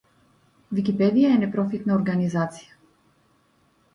Википедија е непрофитна организација.